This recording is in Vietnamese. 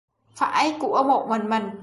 Phải của một mình mình